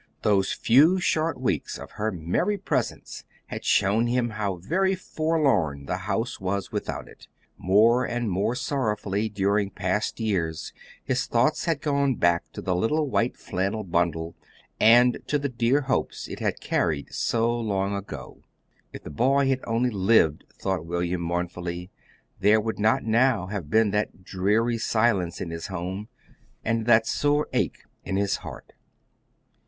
Those few short weeks of her merry presence had shown him how very forlorn the house was without it. More and more sorrowfully during past years, his thoughts had gone back to the little white flannel bundle and to the dear hopes it had carried so long ago. If the boy had only lived, thought William, mournfully, there would not now have been that dreary silence in his home, and that sore ache in his heart.